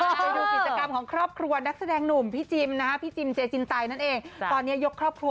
ไปดูกิจกรรมของครอบครัวนักแสดงหนุ่มพี่จิมนะฮะ